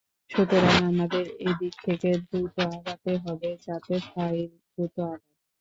সুতরাং আমাদের এদিক থেকে দ্রুত আগাতে হবে, যাতে ফাইল দ্রুত আগায়।